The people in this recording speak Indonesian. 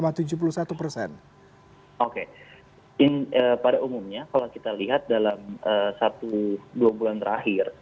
pada umumnya kalau kita lihat dalam satu dua bulan terakhir